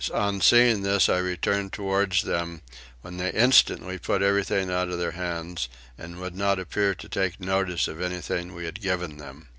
On seeing this I returned towards them when they instantly put everything out of their hands and would not appear to take notice of anything that we had given them.